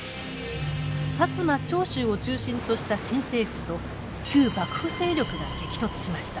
薩摩長州を中心とした新政府と旧幕府勢力が激突しました。